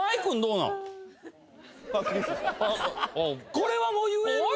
これはもう言える。